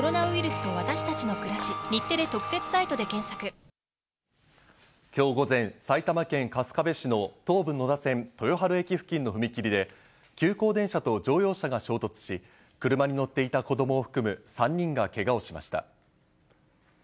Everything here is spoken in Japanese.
沖縄と奄美地方は、きょう午前、埼玉県春日部市の東武野田線豊春駅付近の踏切で、急行電車と乗用車が衝突し、車に乗っていた子どもを含む３人がけがをしました。